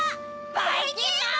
ばいきんまん！